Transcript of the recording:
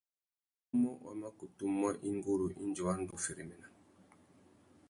Awômô wa mà kutu muá ingurú indi wa ndú wu féréména.